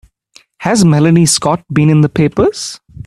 Has Melanie Scott been in the papers?